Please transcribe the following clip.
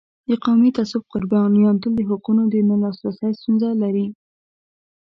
د قومي تعصب قربانیان تل د حقونو د نه لاسرسی ستونزه لري.